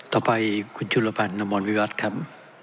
ต่อไปคุณจุลภัณฑ์นมวิวัฒน์ครับ